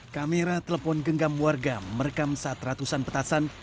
kamera telepon genggam warga merekam saat ratusan petasan